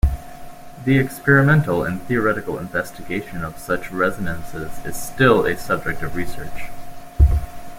The experimental and theoretical investigation of such resonances is still a subject of research.